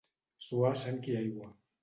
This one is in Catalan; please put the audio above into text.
Suar sang i aigua.